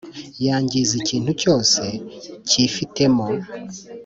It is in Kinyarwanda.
Yangiza ikintu cyose cyifitemo